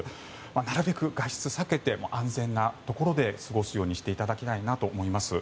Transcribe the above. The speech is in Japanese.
なるべく外出を避けて安全なところで過ごすようにしていただきたいと思います。